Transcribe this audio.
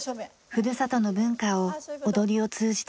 ふるさとの文化を踊りを通じて伝えたい。